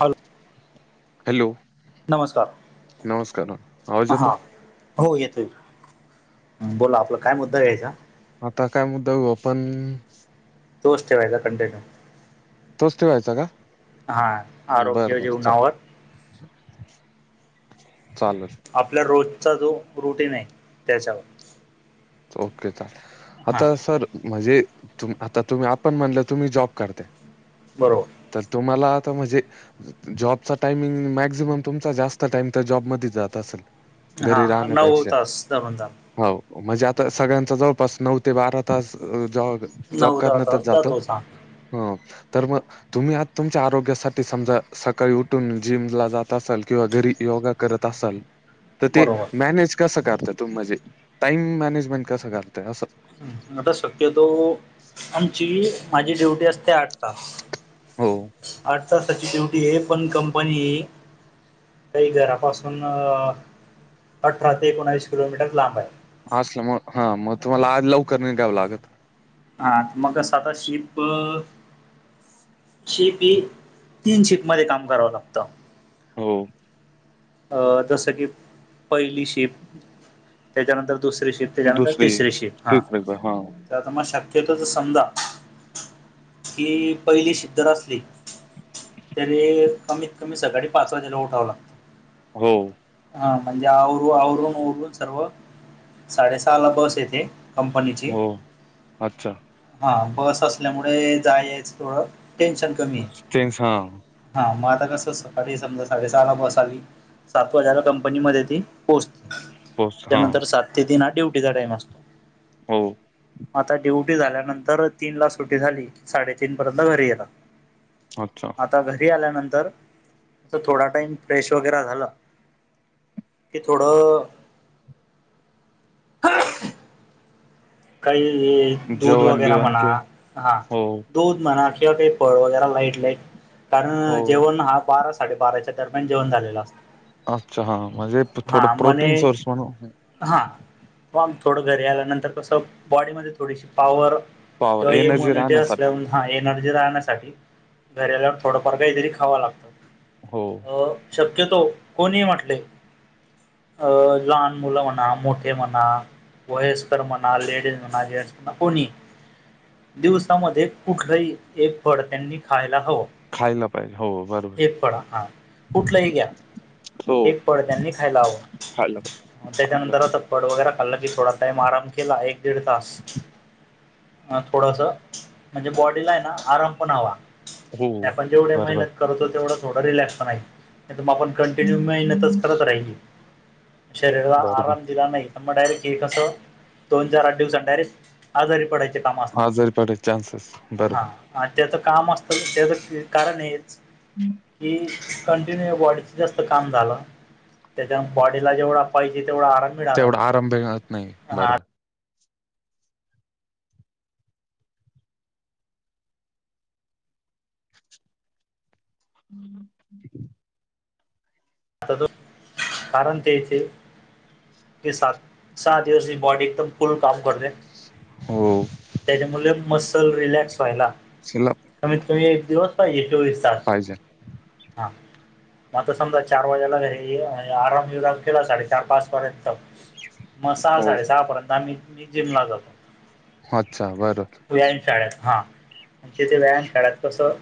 Hello. Hello नमस्कार नमस्कार न आवाज येतो. हां हो येतोय बोला आत आता आता काय मुद्दा घेऊ आपण. तोच ठेवायचा कंटिन्यू. तोच ठेवायचा का हां बर आरोग्य बर चाल जीवनावर चालेल. आपला रोजचा जो रुटीन हाय त्याच्यावर ओके चाल हां आता सर म्हणजे तू आता तुम्ही आपण म्हणला तुम्ही जॉब करताय बरोबर. तर तुम्हाला आता म्हणजे जॉबचा टाइमिंग मॅक्झिमम तुमचा जास्त टाइम तर जॉबमध्ये जात असेल घरी हां नऊ राहण्यापेक्षा तास धरून चला हो म्हणजे आता सगळ्यांचा जवळपास नऊ ते बारा तास जॉ -जॉब नऊ दहा करण्यातच तास जातो जातोच हां तर मग तुम्ही आज तुमच्या आरोग्यासाठी समजा सकाळी उठून जिमला जात असाल किंवा घरी योगा करत असाल तर ते बरोबर मॅनेज कसं करताय तू म्हणजे टाईम मॅनेजमेंट कसं करताय असं. हं, आता शक्यतो आमची माझी ड्युटी असते आठ तास हो आठ तासाची ड्युटी आहे पण कंपनी ही काही घरापासून अ अठरा ते एकोणावीस किलोमीटर लांब आहे. असलं मग हा मग तुम्हाला आज लवकर निघावं लागत. हा मग कस आता शीप शीप ही तीन शीप मध्ये काम करावं लागतं. हो. अ जसं की पहिली शिप त्याच्यानंतर दुसरी शिप त्याच्यानंतर दुसरी तिसरी शिप हा तिसरी ब हा तर आता मग शक्यतो समजा की पहिली शिप जर असली तरी कमीत कमी सकाळी पाच वाजेला उठाव लागत. हो. हा म्हणजे आवरु आवरून वरून सर्व साडेसहा ला बस येते कंपनीची हो अच्छा हा बस असल्यामुळे जायच थोडं टेन्शन [unintelligible] हां. हा म आता कसं सकाळी समजा साडेसहाला बस आली सात वाजाला कंपनीमध्ये ती पोहचते पोस्ट हा त्यानंतर सात ते तीन हा ड्युटीचा टाइम असतो. हो. आता ड्युटी झाल्यानंतर तीन ला सुटी झाली साडेतीीन पर्यंत घरी येला. अच्छा आता घरी आल्यानंतर थोडा टाइम फ्रेश हो. झाला ते थोड. काही दूध जेवण वगैरे बिवण म्हणा किंवा हा. हो दूध म्हणा किंवा काही फळ वगैरे लाईट लाईट हो कारण जेवण हा बारा साडेबाराच्या दरम्यान जेवण झालेलं असतं. अच्छा हा म्हणजे थोडं हा म्हणे प्रोटीन सोर्स म्हणून. हा आम थोडं घरी आल्यानंतर कसं बॉडीमध्ये थोडीशी पॉवर. पॉवर तय एनर्जी म्हनट अस. राहण्यासाठी हा एनर्जी राहण्यासाठी घराला थोडंफार काहीतरी खावं लागतं. हो. अ शक्यतो कोणी म्हटले, अ लहान मुलं म्हणा मोठे म्हणा वयस्कर म्हणा लेट. माझे कोणी दिवसामध्ये कुठलंही एक फळ त्यांनी खायला हवं. खायला पाहिजे हो बरोबर. हे पळा हा कुठलाय ग्या. हो एक पळ त्यांनी खायला खायला पाहिजे हवं चांगलं. त्याच्यानंतर आता,, ड वगैरे खाल्लं की थोडा टाइम आराम केला एक दीड तास. अ थोडस म्हणजे बॉडीला आहे ना आराम पण हवा. हो आपण जेवढे बरोबर. मेहनत करतो तेवढा थोडा रिलॅक्स पण आहे त आपण. कंटिन्यू मेहनतच करत राहिली शरीराला बरोबर आराम दिला नाही. ग डायरेक्टी कसं दोन चार आठ दिवस डायरेक्ट आजारी पडायच. त आजारी पडायचे चान्सेस बरोबर हा त्याच काम असत त्याच कारण आहेच. हम्. कि कंटिन्यू बॉडीच जास्त काम झालं. त्याच्या बॉडीला जेवढ पाहिजे तेवढा आराम मिळाला तेवढा नाही आरंभ मिळत नाही हा बरोबर. हम्. त कारार तेचे. के सा सा हची बॉडी एकदम फुल काम करते. हो. त्याच्यामुळे मसल रिलॅक्स व्हायला. शिल्लक कमीत कमी एक दिवस पाहिजे चोवीस तास. पाहिजे हा म आता समजा चार वाजेला हे आराम विराम केला साडेचार पाच पर्यंत. मग सहा हो साडेसहा पर्यंत आम्ही मी जिमला जातो. अच्छा बरं. व्यायाम शाळेत हा तिथे व्यायाम शाळत कसं.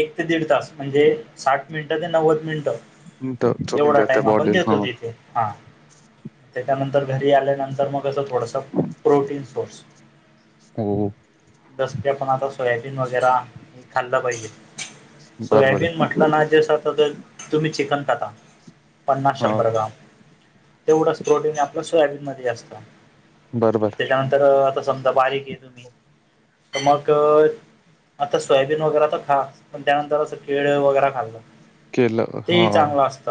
एक ते दीड तास म्हणजे साठ मिनिटं ते नव्वद मिनिटं. तर तुम्ही एवढा देता टाइम आपण बॉडीला हा देतो इथे हा. त्याच्यानंतर घरी आल्यानंतर मग असं थोडासा प्रोटीन सोर्स. हो हो. दस्या पण आता सोयाबीन वगैरे हे खाल्लं पाहिजे बरोबर सोयाबीन म्हटलं ना तु्ही चिकन खाता पन्नास आहे हा शंभर ग्राम. तेवढंच प्रोटीन आपल्या सोयाबीन मध्ये असत बरोबर त्याच्यानंतर. तर आता समजा बारीक आहे तुम्ही तर मग आता सोयाबीन वगैरे तर खा पण त्यानंतर असं केळ वगैरे खाल्लं. केलं. ते हा चांगलं हो असत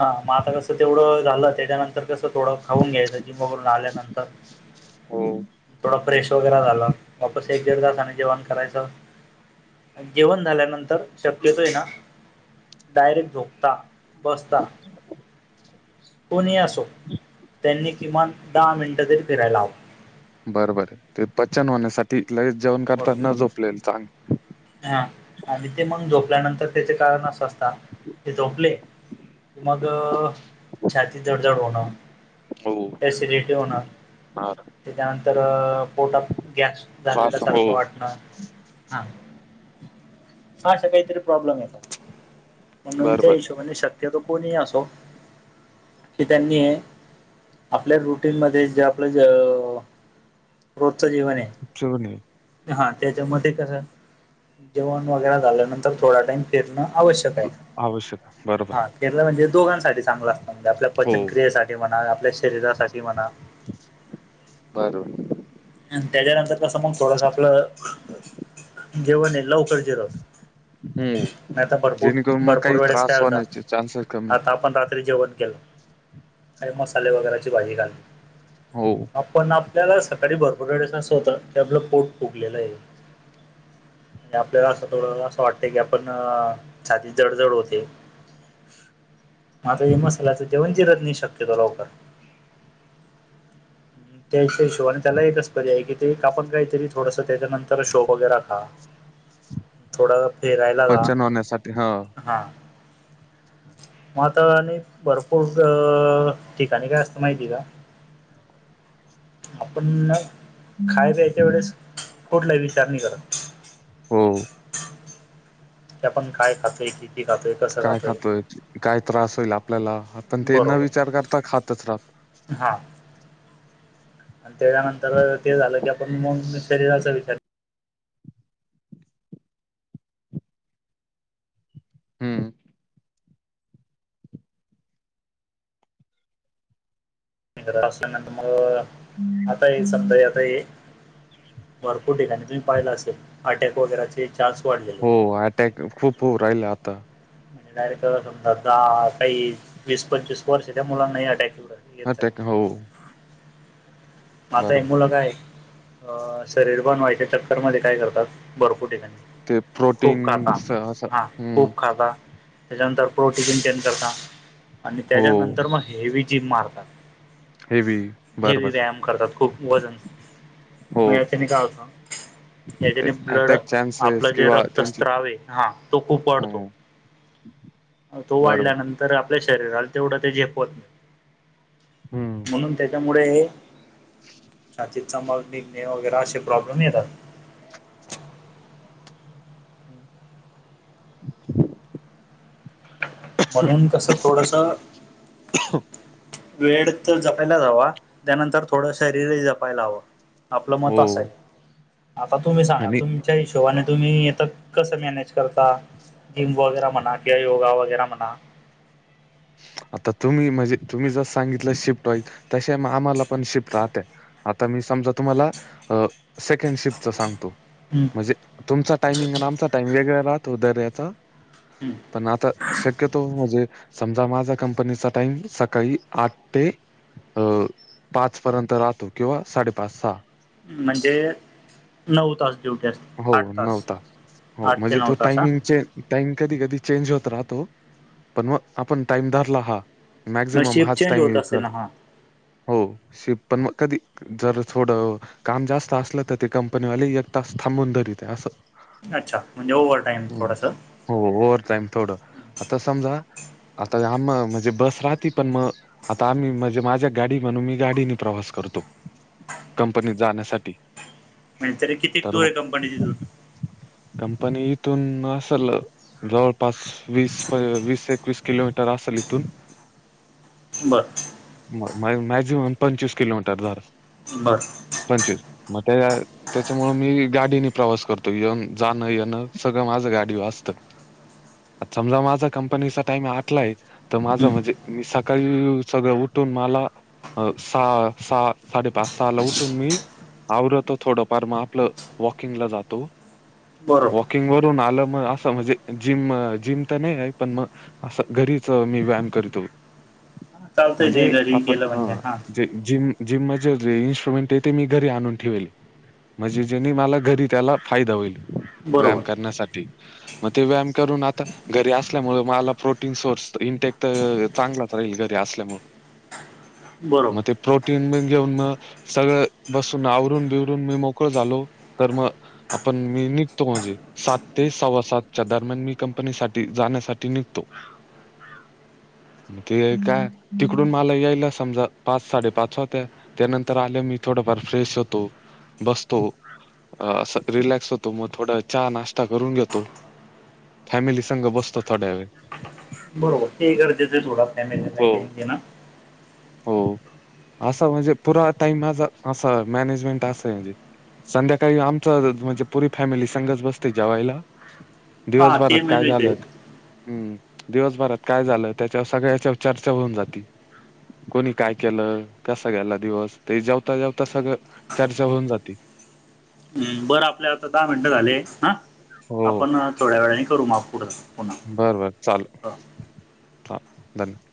हा मग आता कसं तेवढं झालं त्याच्यानंतर, कस थोडं खाऊन घ्यायचं जिमवरून आल्यानंतर थोडा फ्रेश वगैरे झाला वापस एक दीड तासाने जेवण करायचं जेवण झाल्यानंतर शक्यतो आहे ना डायरेक्ट झोकता बसता कोणी असो त्यांनी किमान दहा मिनिटं तरी फिरायला हवं बर बर ते पचन होण्यासाठी लई जेवण करता न बरोबर झोपले चांग हा आणि ते मग झोपल्यानंतर त्याचे कारण असं असत ते झोपले मग छातीत जडझड होणं हो एसिडिटी होणार त्याच्यानंतर पोटात गॅस फास झालेला हो सारखं वाटणं हा हाा काहीतरी प्रॉब्लेम येत म्हणून त्या बरोबर हिशोबाने शक्यतो कोणी असो की त्यांनी आपल्या रुटीनमध्ये जे आपलं ज रोजचं जीवन हे उुपच नाही हा त्याच्यामध्ये कसं जेवण वगैरे झाल्यानंतर थोडा टाइम फीरण आवश्यक आहे बरोंर हा केलं म्हणजे दोघांसाठी चांगलं असतं म्हणजे आपल्या हो पचनक्रियेसाठी म्हणा आपल्या शरीरासाठी म्हणा बरोबर आणि त्याच्यानंतर कसं मग थोडस आपलं जेवन हे लवकर जिरवत हम्म नाही तर भरपूर जेणेकरून मग भरपूर काही वेळेस काय त्रास होता होण्याचे चान्सेस कमी आता आपण रात्री जेवण केेल काही मसाले वगैरेची भाजी घाली हो आपण आपल्याला सकाळी भरपूरळेस अस होत की आपलं पोट फुगलेलं हे आपल्याला असं थोडं असं वाटत की आपण छातीत जड जड होते [unintelligible] मग आत्ता हे मसालाच जेवण जीरत नाही शक्य तो लवकर त्याहिशोवाने त्याला एकच पर्याय की ते का आपण काहीतरी थोडसं त्याच्यानंतर शो वगैरे खा थोडासा फिरायला जा पचन होण्यासाठी हा मग आता आणि भरपूर अ ठिकाणी काय असतं माहिती आहे का आपण खाय प्यायच्या वेळेस कुठला विचारणी करत हो आपण काय खातोय की काय खातोय काय त्रास होईल आपल्याला आपण ते न बरोबर विचार करता खातच राहतो हा आणि तेच्यानंतर ते झालं की आपण मग शरीराचा विचार हम्म असल्यानंतर मग आता ये समजा आता ये भरपूर ठिकाणी तुम्ही पाहिला असेल अटॅक वगैरेचे चान्स वाढले हो अटॅक खूप होऊ राहिला आता म्हणजे डायरेक्ट समजा द काही वीस पंचवीस वर्ष त्या मुलांना अटॅक के अटॅक हो आता हे बरोबर मुलं काय अ शरीर बनवायच्या चक्कर मध्ये काय करतात भरपूर ठिकाणी ते प्रोटीन खूप खाता असं. हा हम्म खूप खाता त्याच्यानंतर प्रोटीनंटेन करतात आणि हो त्याच्यानंतर मग हेवी जिम मारतात हेवी बर हेवी बर व्यायाम करतात खूप वजन [unintelligible] याच्याने ब्लड अटॅक चान्सेस आपलं जे किंवा त्यांची रक्तस्त्राव हा तो खूप हो वाढतो तो बरोबर वाडल्याने तर आपल्या शरीराला तेवढं ते झेपवत हम्म नाही म्हणून त्याच्यामुळे [unintelligible] छातीतचा मल निघणे वगैरे असे प्रॉब्लेम येतात. अच्छा. म्हणून कसं थोडस. हो. वेळ तर जपायलाच हवा त्यानंतर थोडं शरीरही जपायला हवं. आपलं मत हो असाय आता तुम्ही सांगा आणि तुम् च्या हिशोबाने तुम्ही आता कसं मॅनेज करता. जिम वगैरे म्हणा कि योगा वगैरे म्हणा. आता तुम्ही म्हणजे तुम्ही जर सांगितलं शिफ्ट व्हाईल तसे मग आम्हाला पण शिफ्ट राहत. आता मी समजा तुम्हाला सेकंड शिफ्टच सांगतो. हम्म. म्हणजे तुमचा टायमिंग आमचा टाइमंग वेगळा राहतो दर याचा हम्म. पण आता शक्यतो म्हणजे समजा माझा कंपनीचा टाइम सकाळी आठ ते अ पाच पर्यंत राहतो किंवा साडेपाच सहा म्हणजे नऊ तास ड्युटी असते हो आठ नऊ तास हो आठ ते म्हणजे नऊ तो तास हा. टायमिंग चे टाइम कधी कधी चेंज होत राहतो पण मग आपण टाइम धारला हा. मग मॅक्झिमम शिफ्ट हाच चेंज टाइम होत यूज कर असेल ना हा हो शि पण मग कधी जर थोडं काम जास्त असलं तर ते कंपनीवाले एक तास थांबून धरीित असं. अच्छा म्हणजे ओ्हर टाईम हम्म. थोडस. हो ओव्हवर टाईम थोडं आता समजा. आता या म्हणजे बस राहते पण मग आता आम्ही म्हणजे माझ्या गाडी म्हणून मी गाडीने प्रवास करतो. कंपनीत जाण्यासाठी म्हणजे तरी कितीक तर दूर मग आहे कंपनी तिथून कंपनी इथून असल जवळपास वीस वीस वीस किलोमीटर असल इथून बरं. मॅक्झिमम पंचवीस किलमीटर धर बरं. पंचवीस म ते त्यांच्यामुळे मी गाडीने प्रवास करतो येऊन जाणं येणं सगळं माझं गाडीवर असतं. आ समजा माझा कंपनीचा टाइम आठला तर माझं हं. म्हणजे मी सकाळी सगळं उठून मला अ सहा सहा साडेपाच सहा ला उठून मी आृत थोडंफार मग आपलं वॉकिंगला जातो. बरं. किंग वरून आलं मग असं म्हणजे जिम जिम तर नाही आहे पण मग असं घरीच मी व्यायाम करतो चालतंय ते म्हणजे घरी आपण केलं म्हणजे हा. जिम जिमध्ये जे इन्स्ट्रुमेंट आहे ते मी घरी आणून ठेवेले. म्हणजे जेनी मला घरी त्याला फायदा होईल. व्यायाम बरोबर करण्यासाठी मग ते व्यायाम करून आता घरी असल्यामुळे मला प्रोटीन सोर्स इनटेक तर चांगलाच राहील घरी असल्यामुळे बरोबर मग ते प्रोटीन बी घेऊन मग सगळं बसून आवरून बिवरून मी मोकळ झालो तर मग आपण मी निघतो म्हणजे सात ते सव्वा सातच्या दरम्यान मी कंपनीसाठी जाण्यासाठी निघतो. मग ते काय तिकडून मला यायला समजा पाच साडेपाच होत्यात. त्यानंतर आल्या मी थोडाफार फ्रेश होतो बसतो. असं रिलॅक्स होतो मग थोडा चहा नाश्ता करून घेतो. फॅमिली सगं बसतो थोडा वेळ बरोबर ते गरजेचं आहे थोडा फॅमिलीला हो टाइम देणं हो असं म्हणजे पुरा टाइम माझा असं मॅनेजमेंट असं आहे म्हणजे संध्याकाळी आमचं म्हणजे पुरी फॅमिली संघच बसते जेवायला. हा दिवसभरात ते मेन काय विषय झालंय आहे. ते हम्म दिवसभरात काय झालं त्याच्यावर सगळ्याच्या चर्चा होऊन जाते. कोणी काय केलं कस गेला दिवस ते जेवता जेवता सगळं चर्चा होऊन जाते. बरं आपल्या आता दहा मिनटं झाले हा हो आपण थोड्या वेळाने करू मग पुढं बरं बरं चालेल हा. हा धन्यवाद.